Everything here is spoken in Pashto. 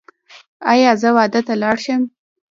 ایا زه واده ته لاړ شم؟